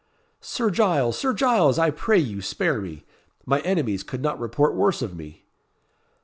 "Sir Giles! Sir Giles! I pray you, spare me. My enemies could not report worse of me."